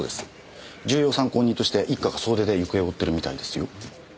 重要参考人として一課が総出で行方を追ってるみたいですよ。